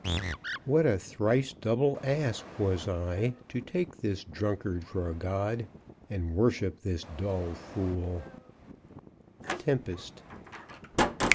What a thrice double ass Was I, to take this drunkard for a god, And worship this dull fool! _Tempest.